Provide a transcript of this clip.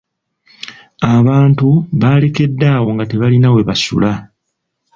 Abantu baalekeddwa nga tebalina we basula.